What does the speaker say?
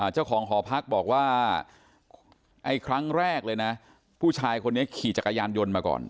เจ้าของหอพักบอกว่าไอ้ครั้งแรกเลยนะผู้ชายคนนี้ขี่จักรยานยนต์มาก่อน